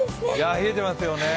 冷えてますよね。